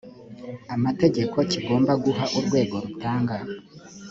amategeko kigomba guha urwego rutanga